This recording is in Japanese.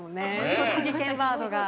栃木県ワードが。